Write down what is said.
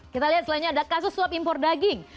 kita lihat selainnya ada kasus swap impor daging